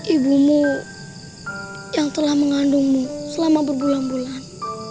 ibumu yang telah mengandungmu selama berbulan bulan